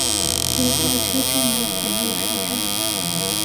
浦和车站的铁路车站。